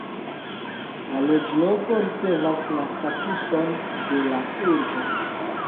La loĝloko ricevas la statuson de la urbo.